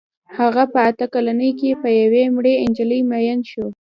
هغه په اته کلنۍ کې په یوې مړې نجلۍ مین شو